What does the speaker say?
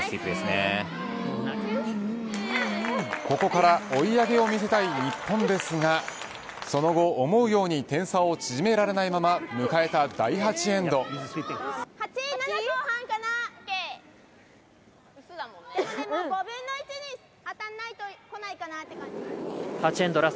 ここから追い上げを見せたい日本ですがその後、思うように点差を縮められないまま迎えた第８エンド。